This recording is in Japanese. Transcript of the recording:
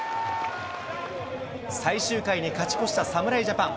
最終回に勝ち越した侍ジャパン。